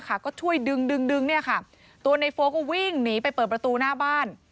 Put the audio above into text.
ก็ช่วยดึงดึงตัวในโฟลกก็วิ่งหนีไปเปิดประตูหน้าบ้าน